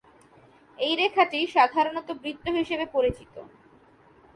এই রেখাটি সাধারণত বৃত্ত হিসাবে পরিচিত।